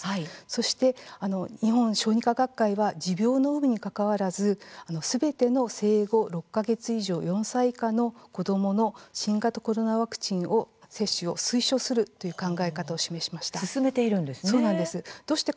そして、日本小児科学会は持病の有無にかかわらずすべての生後６か月以上４歳以下の子どもの新型コロナワクチン接種を「推奨」するという考え方を示しました。